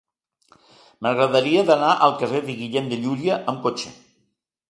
M'agradaria anar al carrer de Guillem de Llúria amb cotxe.